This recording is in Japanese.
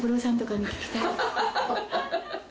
ハハハ！